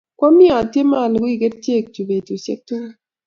Kwami atyeme alugui kerchek chuk betushek tukul